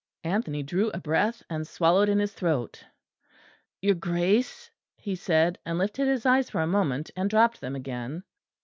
Anthony drew a breath, and swallowed in his throat. "Your Grace," he said, and lifted his eyes for a moment, and dropped them again.